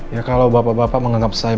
ya kalau bapak bapak menganggap saya